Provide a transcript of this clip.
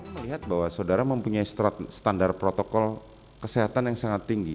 melihat bahwa saudara mempunyai standar protokol kesehatan yang sangat tinggi